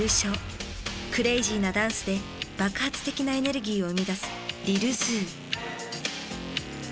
クレイジーなダンスで爆発的なエネルギーを生み出す「リルズー」。